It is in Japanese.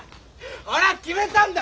俺は決めたんだ！